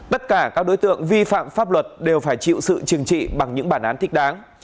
tất cả các đối tượng vi phạm pháp luật đều phải chịu sự trừng trị bằng những bản án thích đáng